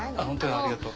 ありがとう。